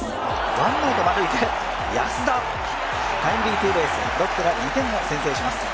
ワンアウト満塁で安田、タイムリーツーベースロッテが２点を先制します。